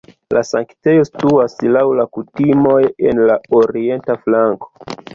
La sanktejo situas (laŭ la kutimoj) en la orienta flanko.